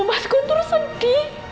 mas guntur sedih